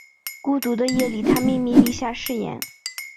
孤独的夜里他秘密立下誓言